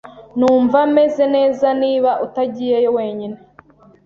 Numva meze neza niba utagiyeyo wenyine .